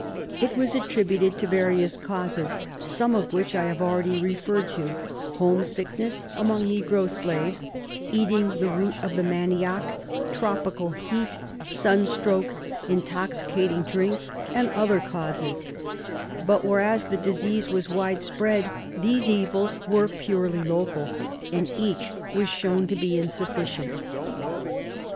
It was attributed to various causes, some of which I have already referred to — home sickness (among negro slaves), eating the root of the manioc, tropical heat, sun stroke, intoxicating drinks, and other causes — but whereas the disease was widespread, these evils were purely local, and each was shown to be insufficient.